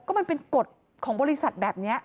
ก็มันเป็นกฎของบริษัทแบบนี้